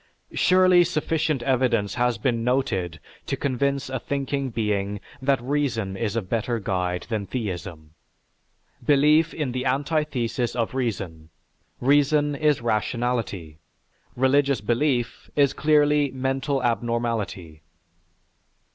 Surely sufficient evidence has been noted to convince a thinking being that reason is a better guide than theism. Belief is the antithesis of reason; reason is rationality; religious belief is clearly mental abnormality.